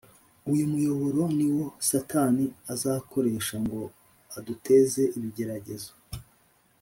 . Uyu muyoboro ni wo Satani azakoresha ngo aduteze ibigeragezo.